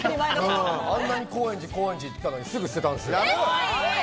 あんなに高円寺って言ってたのにすぐ捨てたんですよ。